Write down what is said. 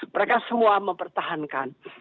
mereka semua mempertahankan